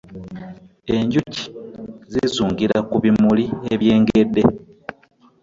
Enjuki zizungira ku bimuli ebyengedde.